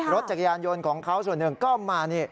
รถจักรยานยนต์ของเขาส่วนหนึ่งก็มานี่